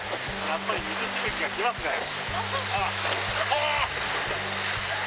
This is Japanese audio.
やっぱり水しぶきが来ますね。